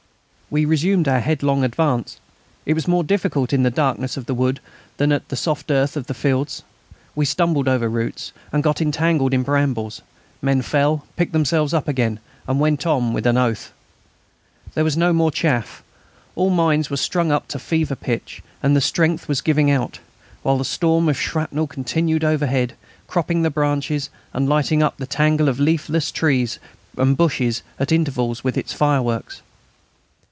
We resumed our headlong advance. It was more difficult in the darkness of the wood than on the soft earth of the fields. We stumbled over roots, and got entangled in brambles; men fell, picked themselves up again, and went on with an oath. There was no more chaff; all minds were strung up to fever pitch, and strength was giving out, while the storm of shrapnel continued overhead, cropping the branches, and lighting up the tangle of leafless trees and bushes at intervals as if with fireworks.